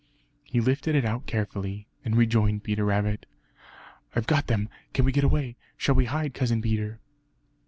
He lifted it out carefully, and rejoined Peter Rabbit. "I've got them! Can we get away? Shall we hide, Cousin Peter?"